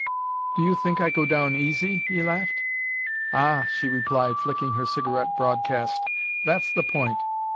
"You think I go down easy?" he laughed. "Ah!" she replied, flicking her cigarette broadcast. "That's the point.